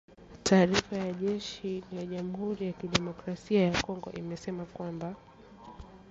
Taarifa ya jeshi la Jamhuri ya kidemokrasia ya Kongo imesema kwamba